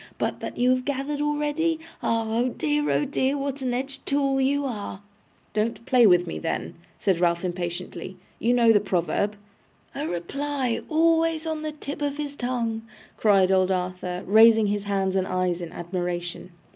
But that you have gathered already? Ah! oh dear, oh dear, what an edged tool you are!' 'Don't play with me then,' said Ralph impatiently. 'You know the proverb.' 'A reply always on the tip of his tongue!' cried old Arthur, raising his hands and eyes in admiration.